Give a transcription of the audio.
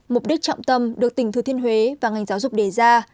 mục đích trọng tâm được tỉnh thừa thiên huế và ngành giáo dục đề ra